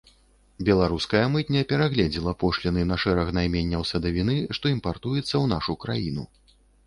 Беларуская мытня перагледзела пошліны на шэраг найменняў садавіны, што імпартуецца ў нашу краіну.